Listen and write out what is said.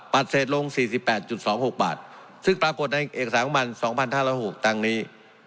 ปัดเศษลง๔๘๒๖บาทซึ่งปรากฏในเอกสารงบมาร๒๕๐๖ตังค์นี้